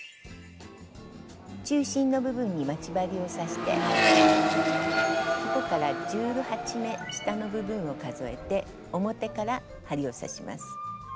中心の部分に待ち針を刺してそこから１８目下の部分を数えて表から針を刺します。